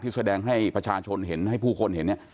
แสดงให้ประชาชนเห็นให้ผู้คนเห็นเนี่ย